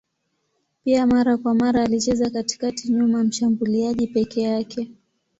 Pia mara kwa mara alicheza katikati nyuma ya mshambuliaji peke yake.